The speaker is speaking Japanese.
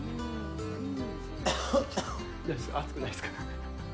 熱くないですか？